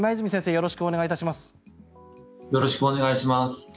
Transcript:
よろしくお願いします。